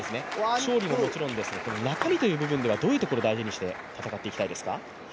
勝利ももちろんですが中身という部分ではどういうところを大事にして戦っていきたいですか？